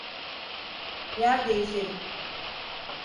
Yer değişelim.